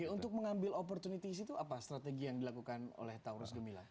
untuk mengambil opportunity itu apa strategi yang dilakukan oleh taurus gemila